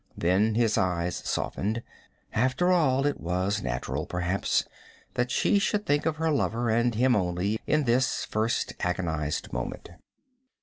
Then his eyes softened. After all, it was natural, perhaps, that she should think of her lover, and of him only, in this first agonized moment.